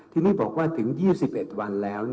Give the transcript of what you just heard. ทีนี้บอกว่าถึง๒๑วันแล้ว